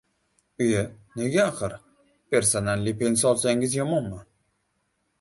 — Iya, nega axir? Persanalniy pensiya olsangiz yomonmi?